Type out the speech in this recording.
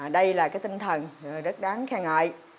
đây là tinh thần rất đáng khen ngợi